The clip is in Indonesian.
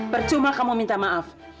percuma kamu minta maaf